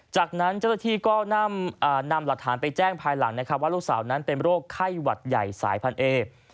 จากนั้นเจ้าหน้าที่ก็นำหลักฐานไปแจ้งภายหลังนะครับว่าลูกสาวนั้นเป็นโรคไข้หวัดใหญ่สายพันเอ